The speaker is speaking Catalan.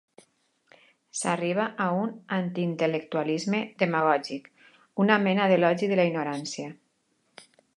S'arriba a un antiintel·lectualisme demagògic, una mena d'elogi de la ignorància.